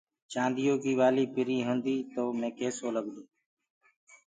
چآنديو ڪي وآلي پري هوندي تو ڪيسو لگدو مي